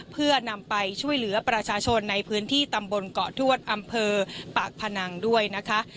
เพื่อนำไปช่วยเหลือประชาชนในพื้นที่ตำบลเกาะทวดอำเภอปากพนังด้วยนะคะ